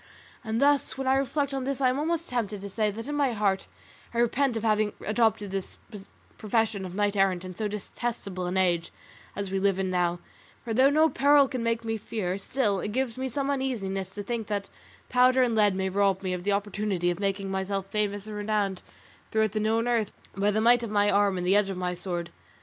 And thus when I reflect on this, I am almost tempted to say that in my heart I repent of having adopted this profession of knight errant in so detestable an age as we live in now; for though no peril can make me fear, still it gives me some uneasiness to think that powder and lead may rob me of the opportunity of making myself famous and renowned throughout the known earth by the might of my arm and the edge of my sword.